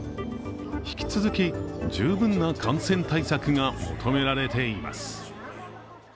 引き続き、十分な感染対策が求められています。